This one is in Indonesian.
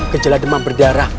gejala demam berdarah